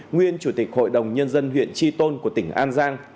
nguyên chủ tịch hội đồng nhân dân huyện chi tôn của tỉnh an giang